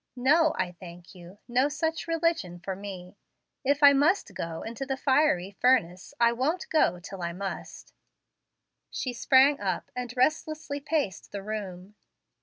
No, I thank you. No such religion for me. If I must go into the fiery furnace, I won't go till I must." She sprang up, and restlessly paced the room.